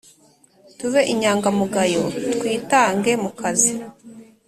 tube inyangamugayo twitange mukazi